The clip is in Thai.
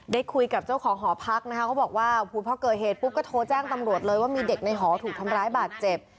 ได้คุยกับเจ้าของหอพักนะคะเขาบอกว่าพอเกิดเหตุปุ๊บก็โทรแจ้งตำรวจเลยว่ามีเด็กในหอถูกทำร้ายบาดเจ็บ